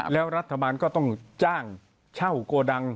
แล้วรัฐบาลก็ต้องจ้างเช่าโกดัง